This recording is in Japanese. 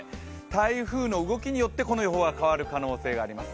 台風の動きによってこの予報は変わる可能性があります。